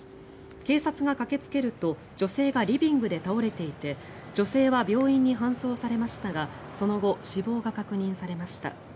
警察が駆けつけると女性がリビングで倒れていて女性は病院に搬送されましたがその後、死亡が確認されました。